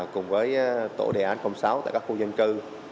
cùng với tổ đề án sáu tại các khu dân cư